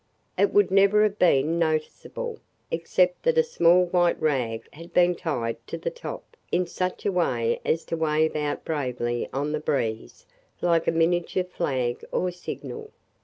It would never have been noticeable except that a small white rag had been tied to the top in such a way as to wave out bravely on the breeze like a miniature flag or signal.